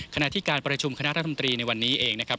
ขณะที่การประชุมคณะรัฐมนตรีในวันนี้เองนะครับ